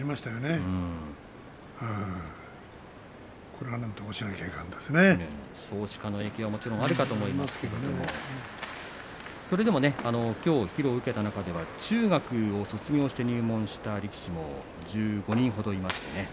これは、なんとかしないと少子化の影響もあるかもしれませんがそれでもきょう披露を受けた中では中学を卒業して入門した力士も１５人ほどいました。